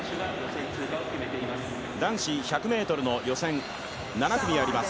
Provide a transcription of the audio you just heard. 男子１００ｍの予選７組あります。